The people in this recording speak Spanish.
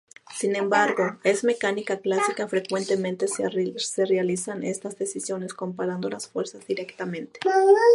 Sin embargo, en mecánica clásica frecuentemente se realizan estas decisiones comparando las fuerzas directamente.